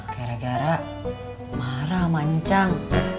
gara gara marah sama ncang